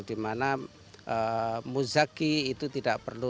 di mana muzaki itu tidak perlu